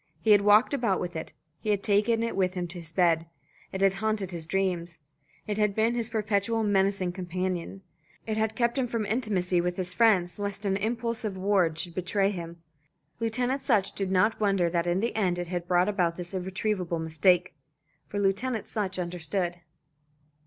He had walked about with it; he had taken it with him to his bed. It had haunted his dreams. It had been his perpetual menacing companion. It had kept him from intimacy with his friends lest an impulsive word should betray him. Lieutenant Sutch did not wonder that in the end it had brought about this irretrievable mistake; for Lieutenant Sutch understood.